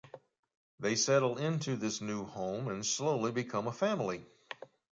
They settle into this new home and slowly become a family.